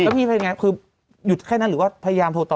แล้วพี่เป็นไงคือหยุดแค่นั้นหรือว่าพยายามโทรต่อ